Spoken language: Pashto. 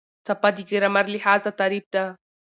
څپه د ګرامر لحاظه تعریف ده.